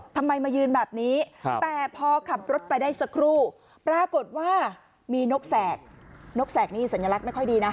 ทำไมมายืนแบบนี้แต่พอขับรถไปได้สักครู่ปรากฏว่ามีนกแสกนกแสกนี่สัญลักษณ์ไม่ค่อยดีนะ